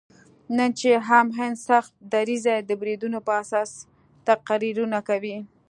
نن چې هم هندو سخت دریځي د بریدونو په اساس تقریرونه کوي.